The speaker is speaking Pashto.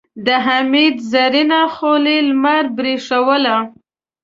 د حميد زرينه خولۍ لمر برېښوله.